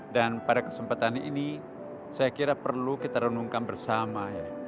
dan pada kesempatan ini saya kira perlu kita renungkan bersama